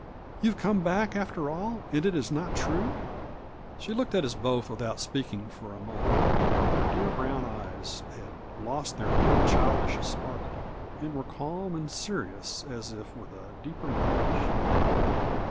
You have come back, after all, and it is not trueP' She looked at ns both without speaking for a mo ment; her dear brown eyes had lost their old childish sparkle, and were calm and serious as if with a deeper knowledge.